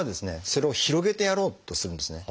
それを広げてやろうとするんですね。